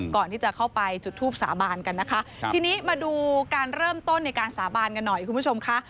ก่อนที่จะเข้าไปจุดทูปสาบานกันนะคะทีนี้มาดูการเริ่มต้นในการสาบานกันหน่อยคุณผู้ชมค่ะ